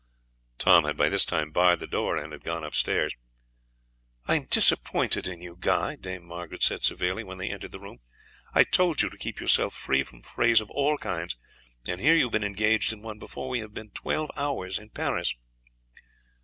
Tom had by this time barred the door and had gone upstairs. "I am disappointed in you, Guy," Dame Margaret said severely when they entered the room. "I told you to keep yourself free from frays of all kinds, and here you have been engaged in one before we have been twelve hours in Paris."